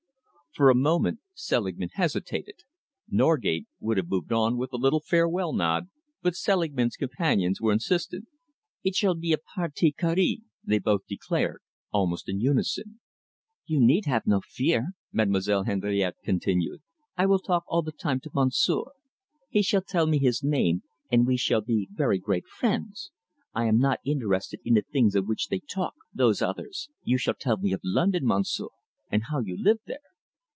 For a moment Selingman hesitated. Norgate would have moved on with a little farewell nod, but Selingman's companions were insistent. "It shall be a partie carrée," they both declared, almost in unison. "You need have no fear," Mademoiselle Henriette continued. "I will talk all the time to monsieur. He shall tell me his name, and we shall be very great friends. I am not interested in the things of which they talk, those others. You shall tell me of London, monsieur, and how you live there."